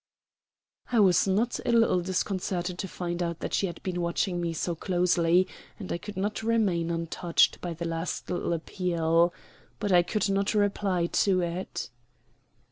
I was not a little disconcerted to find that she had been watching me so closely, and I could not remain untouched by the last little appeal. But I could not reply to it.